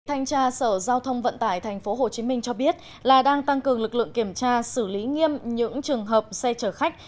thanh tra sở giao thông vận tải tp hcm cho biết là đang tăng cường lực lượng kiểm tra xử lý nghiêm những trường hợp xe chở khách